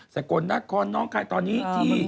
ทรักงานน้องคะยที่